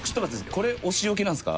これお仕置きなんですか？